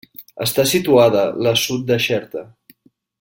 Està situada l'assut de Xerta.